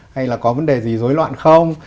hay là có vấn đề gì rối loạn không